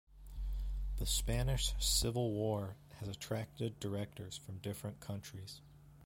The Spanish Civil War has attracted directors from different countries.